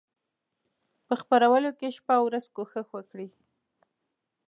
په خپرولو کې شپه او ورځ کوښښ وکړي.